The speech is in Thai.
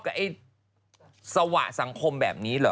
ไอ้สวะสังคมแบบนี้เหรอ